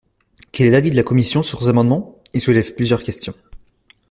Quel est l’avis de la commission sur ces amendements ? Ils soulèvent plusieurs questions.